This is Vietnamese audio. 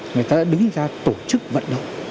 người ta đã đứng ra tổ chức vận động